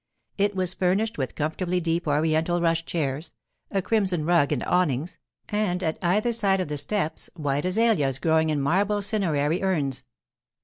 It was furnished with comfortably deep Oriental rush chairs, a crimson rug and awnings, and, at either side of the steps, white azaleas growing in marble cinerary urns.